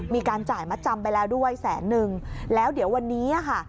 มีการจ่ายมัดจำไปแล้วด้วยแสนนึงแล้วเดี๋ยววันนี้อ่ะค่ะ